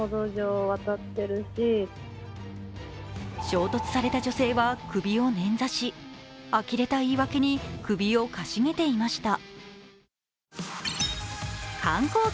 衝突された女性は首を捻挫しあきれた言い訳に首をかしげていました。